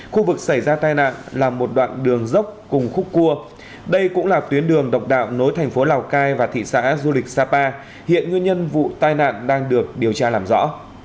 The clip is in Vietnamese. khu vực xảy ra tai nạn là một đoạn đường dốc cùng khúc cua đây cũng là tuyến đường độc đạo nối thành phố lào cai và thị xã du lịch sapa hiện nguyên nhân vụ tai nạn đang được điều tra làm rõ